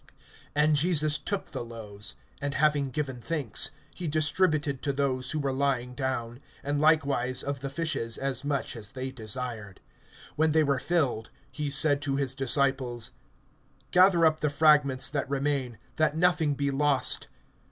(11)And Jesus took the loaves; and having given thanks, he distributed to those who were lying down; and likewise of the fishes as much as they desired. (12)When they were filled, he said to his disciples: Gather up the fragments that remain, that nothing be lost.